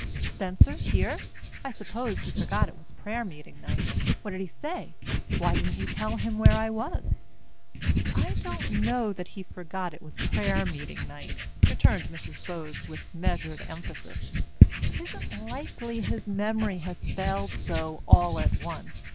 "Spencer here! I suppose he forgot it was prayer meeting night. What did he say? Why didn't you tell him where I was?" "I don't know that he forgot it was prayer meeting night," returned Mrs. Bowes with measured emphasis. "'Tisn't likely his memory has failed so all at once.